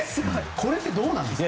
これってどうなんですか？